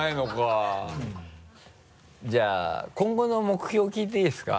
じゃあ今後の目標聞いていいですか？